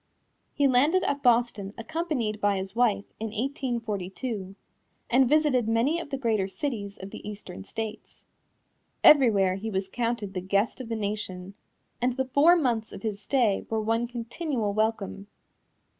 He landed at Boston accompanied by his wife, in 1842, and visited many of the greater cities of the Eastern states. Everywhere he was counted the guest of the nation, and the four months of his stay were one continual welcome.